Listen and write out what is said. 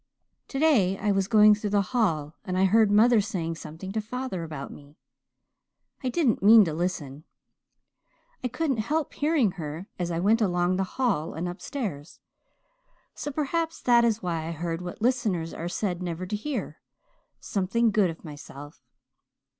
"Today I was going through the hall and I heard mother saying something to father about me. I didn't mean to listen I couldn't help hearing her as I went along the hall and upstairs so perhaps that is why I heard what listeners are said never to hear something good of myself.